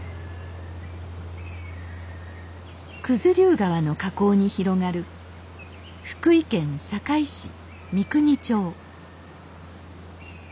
九頭竜川の河口に広がる福井県坂井市三国町